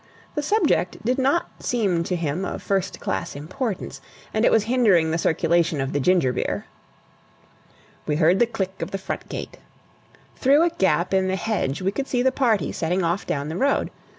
The subject did not seem to him of first class importance, and it was hindering the circulation of the ginger beer. We heard the click of the front gate. Through a gap in the hedge we could see the party setting off down the road.